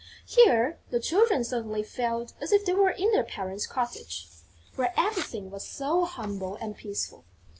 Here, the Children suddenly felt as if they were in their parents' cottage, where everything was so humble and peaceful.